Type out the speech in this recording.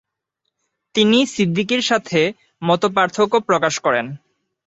তিনি সিদ্দিকির সাথে মতপার্থক্য প্রকাশ করেন।